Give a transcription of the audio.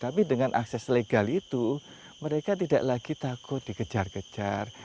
tapi dengan akses legal itu mereka tidak lagi takut dikejar kejar